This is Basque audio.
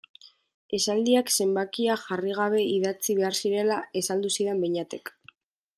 Esaldiak zenbakia jarri gabe idatzi behar zirela azaldu zidan Beñatek.